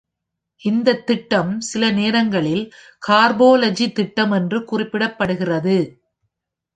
இந்த திட்டம் சில நேரங்களில் "கார்போலஜி திட்டம்" என்று குறிப்பிடப்படுகிறது.